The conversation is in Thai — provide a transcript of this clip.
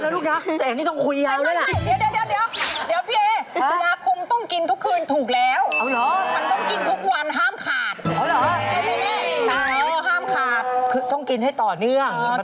ขอโทษนะลูกนักแต่แแหงนี่ต้องคุยยาวเลยล่ะ